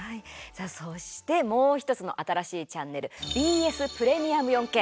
そしてもう１つの新しいチャンネルＢＳプレミアム４Ｋ。